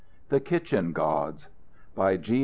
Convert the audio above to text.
THE KITCHEN GODS BY G.